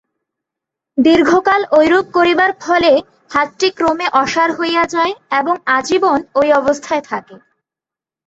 দীর্ঘকাল ঐরূপ করিবার ফলে হাতটি ক্রমে অসাড় হইয়া যায় এবং আজীবন ঐ অবস্থায় থাকে।